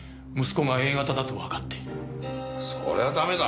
そりゃあダメだ。